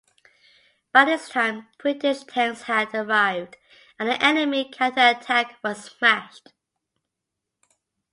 By this time, British tanks had arrived and the enemy counter-attack was smashed.